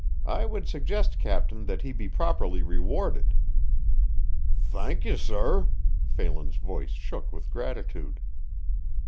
I would suggest, captain, that he be properly rewarded." "Thank ye, sorr." Phelan's voice shook with gratitude.